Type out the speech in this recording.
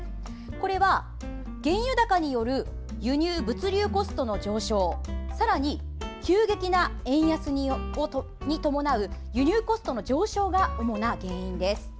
これは、原油高による輸入・物流コストの上昇さらに急激な円安に伴う輸入コストの上昇が主な原因です。